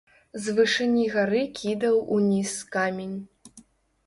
З вышыні гары кідаў уніз камень.